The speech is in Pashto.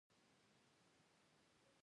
ځان د افغانستان پاچا وباله.